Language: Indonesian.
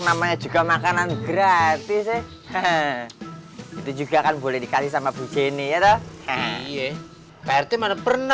namanya juga makanan gratis itu juga akan boleh dikasih sama bu jenny ya toh iye prt mana pernah